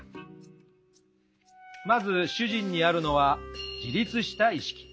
まず主人にあるのは「自立した意識」。